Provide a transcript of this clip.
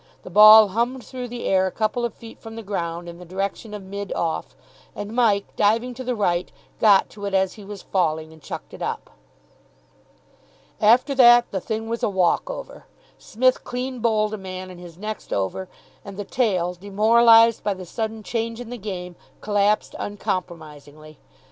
The ball hummed through the air a couple of feet from the ground in the direction of mid off, and Mike, diving to the right, got to it as he was falling, and chucked it up. After that the thing was a walk over. Psmith clean bowled a man in his next over; and the tail, demoralised by the sudden change in the game, collapsed uncompromisingly.